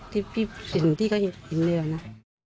ที่พี่เห็นที่เขาเห็นได้ก่อนนะ